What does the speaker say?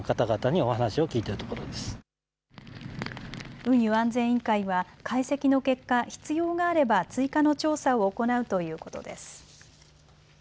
運輸安全委員会は解析の結果、必要があれば追加の調査を行うということです。